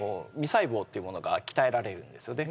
細胞っていうものが鍛えられるんですよね